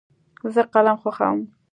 زه فلم خوښوم.